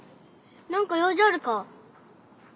何か用事あるか？